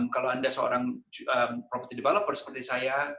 kalau anda seorang property developer seperti saya